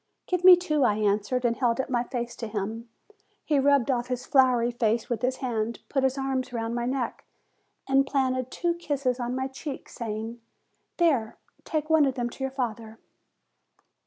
"Give me two," I answered; and held up my face to him. He rubbed off his floury face with his hand, put his arm round my neck, and planted two kisses on my cheek, saying: "There! take one of them to your father."